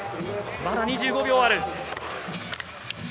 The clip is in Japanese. まだ２５秒ある。